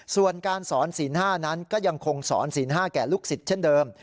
ส่วนการสอนศีล๕นั้นก็ยังคงสอนศีล๕แก่ลูกศิษย์เช่นเดิม